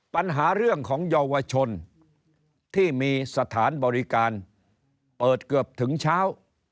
ปัญหาเรื่องของเยาวชนที่มีสถานบริการเปิดเกือบถึงเช้า